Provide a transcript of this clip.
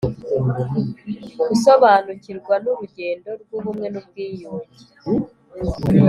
Gusobanukirwa n urugendo rw ubumwe n ubwiyunge